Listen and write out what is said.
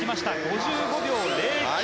５５秒０９。